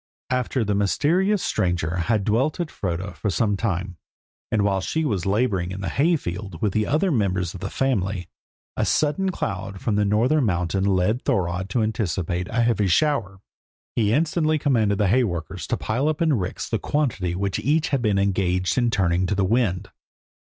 After this mysterious stranger had dwelt at Froda for some time, and while she was labouring in the hay field with other members of the family, a sudden cloud from the northern mountain led Thorodd to anticipate a heavy shower. He instantly commanded the hay workers to pile up in ricks the quantity which each had been engaged in turning to the wind.